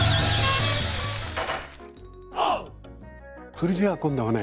それじゃあ今度はね